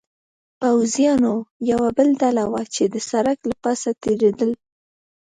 پوځیانو یوه بله ډله وه، چې د سړک له پاسه تېرېدل.